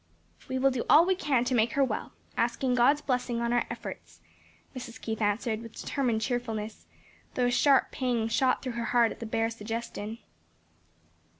"We will do all we can to make her well, asking God's blessing on our efforts," Mrs. Keith answered with determined cheerfulness, though a sharp pang shot through her heart at the bare suggestion.